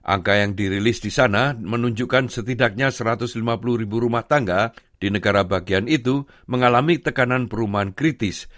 angka yang dirilis di sana menunjukkan setidaknya satu ratus lima puluh ribu rumah tangga di negara bagian itu mengalami tekanan perumahan kritis